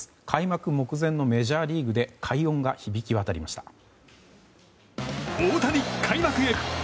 開幕目前のメジャーリーグで快音が響き渡りました。